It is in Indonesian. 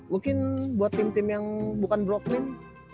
mungkin buat tim tim yang bukan brokplin